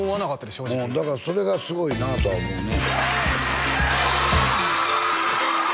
正直だからそれがすごいなとは思うね